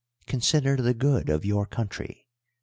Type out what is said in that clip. Consider the good of \ our f'oiintry.